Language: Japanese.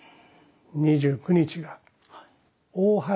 ２９日が大祓。